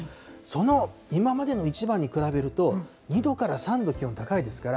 その今までの一番に比べると、２度から３度、気温高いですから。